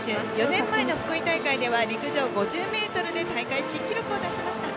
４年前の福井大会では陸上５０ｍで大会新記録を出しました。